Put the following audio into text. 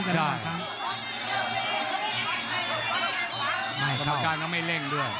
กรรมการก็ไม่เร่งด้วย